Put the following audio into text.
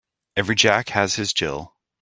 Every Jack has his Jill.